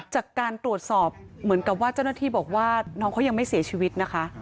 จากการตรวจสอบเหมือนกับว่าเจ้าหน้าที่บอกว่าน้องเขายังไม่เสียชีวิตนะคะ